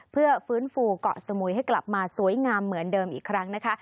เพื่อฟื้นฟูเกาะสมุยให้กลับมาสวยงามเหมือนเดิมอีกครั้งนะคะ